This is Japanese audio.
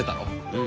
うん。